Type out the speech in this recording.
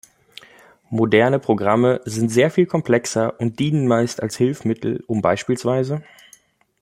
Moderne Programme sind sehr viel komplexer und dienen meist als Hilfsmittel, um bspw.